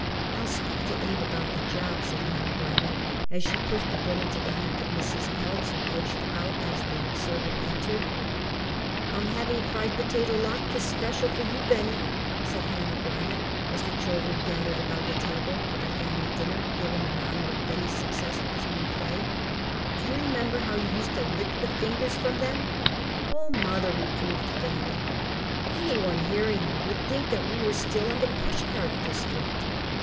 "I'll speak to Abe about the job," said Hanneh Breineh as she pushed a bill into the hand of Mrs. Pelz, who edged out as the servant entered. "I'm having fried potato lotkes special for you, Benny," said Hanneh Breineh as the children gathered about the table for the family dinner given in honor of Benny's success with his new play. "Do you remember how you used to lick the fingers from them?" "O Mother!" reproved Fanny. "Anyone hearing you would think we were still in the push cart district."